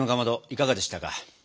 いかがでしたか？